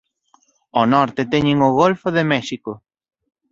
Ao norte ten o Golfo de México.